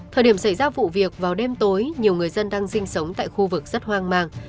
thời điểm xảy ra vụ việc vào đêm tối nhiều người dân đang sinh sống tại khu vực rất hoang mang